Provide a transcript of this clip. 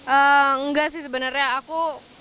enggak sih sebenarnya aku